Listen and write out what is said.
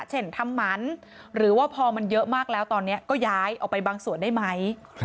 เช่นทำหมันหรือว่าพอมันเยอะมากแล้วตอนนี้ก็ย้ายออกไปบางส่วนได้ไหม